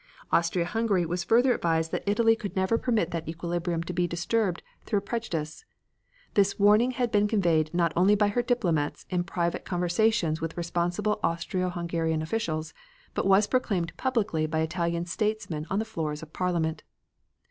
Austria Hungary was further advised that Italy could never permit that equilibrium to be disturbed through a prejudice. This warning had been conveyed not only by her diplomats in private conversations with responsible Austro Hungarian officials, but was proclaimed publicly by Italian statesmen on the floors of Parliament.